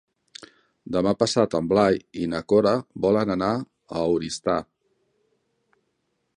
Demà passat en Blai i na Cora volen anar a Oristà.